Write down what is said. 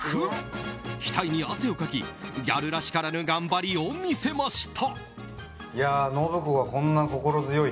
額に汗をかき、ギャルらしからぬ頑張りを見せました。